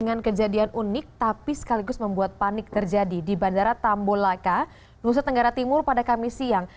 dengan kejadian unik tapi sekaligus membuat panik terjadi di bandara tambolaka nusa tenggara timur pada kamis siang